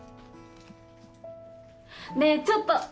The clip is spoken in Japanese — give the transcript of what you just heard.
ねえちょっと！